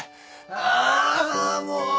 ああーもう！